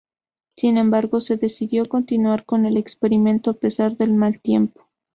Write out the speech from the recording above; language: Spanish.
Sin embargo, se decidió continuar con el experimento a pesar del mal tiempo.